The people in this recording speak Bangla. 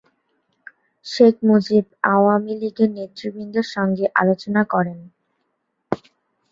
শেখ মুজিব আওয়ামী লীগের নেতৃবৃন্দের সঙ্গে আলোচনা করেন।